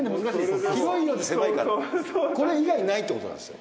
これ以外にないってことなんですよ。